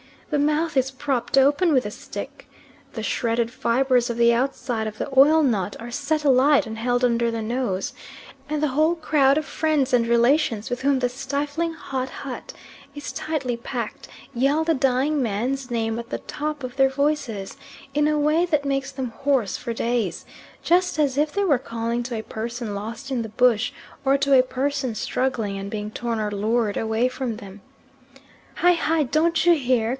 The mouth is propped open with a stick. The shredded fibres of the outside of the oil nut are set alight and held under the nose and the whole crowd of friends and relations with whom the stifling hot hut is tightly packed yell the dying man's name at the top of their voices, in a way that makes them hoarse for days, just as if they were calling to a person lost in the bush or to a person struggling and being torn or lured away from them. "Hi, hi, don't you hear?